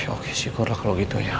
oke syukurlah kalau gitu ya